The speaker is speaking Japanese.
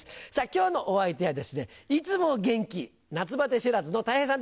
今日のお相手はですねいつも元気夏バテ知らずのたい平さんです。